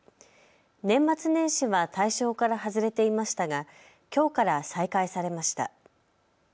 年末年始は対象から外れていましたが、きょうから再開されました。